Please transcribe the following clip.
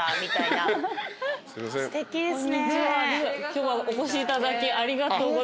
今日はお越しいただきありがとうございます。